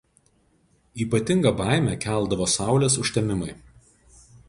Ypatingą baimę keldavo Saulės užtemimai.